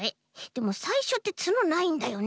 でもさいしょってつのないんだよね？